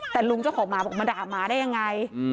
แต่ลุงเจ้าของหมาบอกมาด่าหมาได้ยังไง